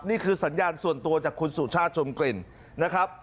นี่คือสัญญาณส่วนตัวจากคุณสุชาติชมกลิ่นนะครับ